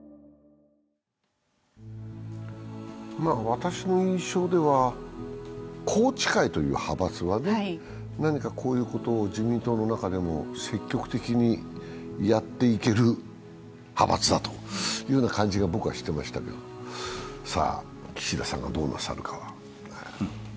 私の印象では、宏池会という派閥はね、何かこういうことを自民党の中でも積極的にやっていける派閥だというふうな感じがしてましたけれども岸田さんがどうなさるか。